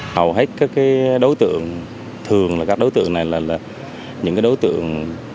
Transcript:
hầu hết các đối tượng thường là các đối tượng này là những đối tượng